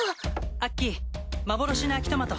アッキー幻の秋トマト